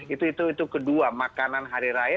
itu itu itu kedua makanan hari raya